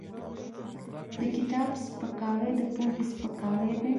د کتاب سپکاوی د پوهې سپکاوی دی.